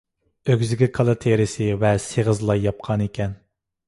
ئۆگزىگە كالا تېرىسى ۋە سېغىز لاي ياپقانىكەن.